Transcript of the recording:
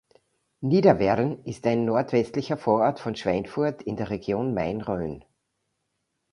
Niederwerrn ist ein nordwestlicher Vorort von Schweinfurt in der Region Main-Rhön.